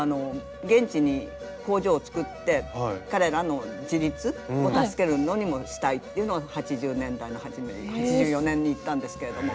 現地に工場をつくって彼らの自立を助けるのにもしたいっていうのを８０年代の初め８４年に行ったんですけれども。